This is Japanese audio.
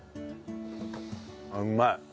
うまい。